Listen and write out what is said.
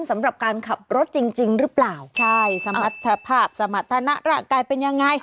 สำหรับการขับรถจริงจริงหรือเปล่าใช่สมรรถภาพสมรรถนะร่างกายเป็นยังไง